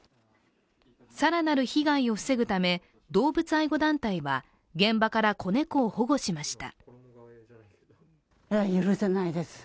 更なる被害を防ぐため動物愛護団体は現場から子猫を保護しました。